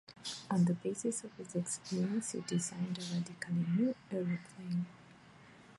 On the basis of his experience he designed a radically new aeroplane.